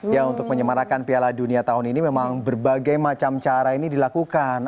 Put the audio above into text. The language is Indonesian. ya untuk menyemarakan piala dunia tahun ini memang berbagai macam cara ini dilakukan